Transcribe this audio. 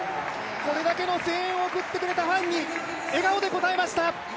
これだけの声援を送ってくれたファンに笑顔で答えました。